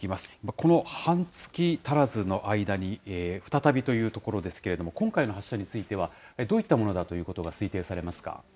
この半月足らずの間に、再びというところですけれども、今回の発射については、どういったものが飛んだと推定されますか？